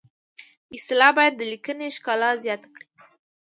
اصطلاح باید د لیکنې ښکلا زیاته کړي